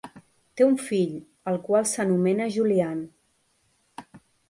Té un fill, el qual s'anomena Julian.